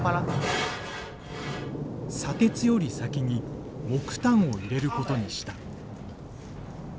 砂鉄より先に木炭を入れることにした。